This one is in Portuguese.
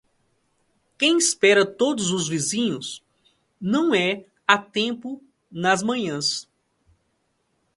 Quem espera todos os vizinhos, não é a tempo nas manhãs.